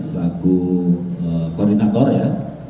selaku koordinator ya